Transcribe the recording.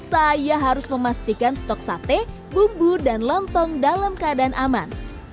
saya harus memastikan stok sate bumbu dan lontong dalam keadaan aman